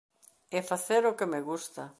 É facer o que me gusta.